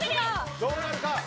どうなるか。